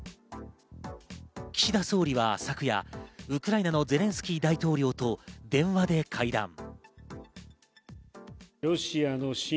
岸田総理は昨夜、ウクライナのゼレンスキー大統領と電話で会談。